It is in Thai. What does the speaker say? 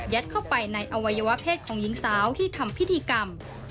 เข้าไปในอวัยวะเพศของหญิงสาวที่ทำพิธีกรรม